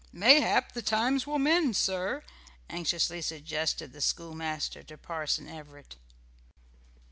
"Mayhap the times will mend, sir," anxiously suggested the schoolmaster to Parson Everett.